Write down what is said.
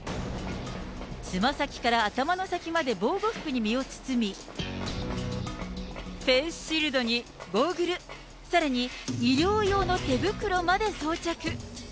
つま先から頭の先まで防護服に身を包み、フェースシールドにゴーグル、さらに医療用の手袋まで装着。